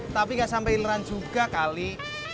tapi gak sampai inderan juga kali